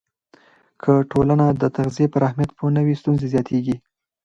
که ټولنه د تغذیې پر اهمیت پوهه نه وي، ستونزې زیاتېږي.